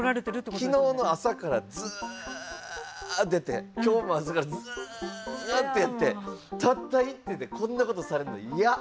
昨日の朝からずっとやって今日も朝からずっとやってたった一手でこんなことをされるの嫌。